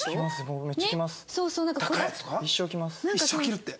一生着るって。